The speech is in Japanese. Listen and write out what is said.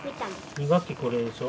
２学期これでしょ。